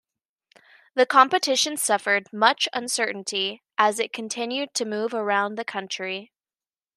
The competition suffered much uncertainty as it continued to move around the country.